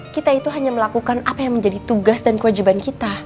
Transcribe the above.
kita itu hanya melakukan apa yang menjadi tugas dan kewajiban kita